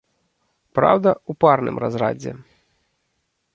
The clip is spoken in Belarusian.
Праўда, у парным разрадзе.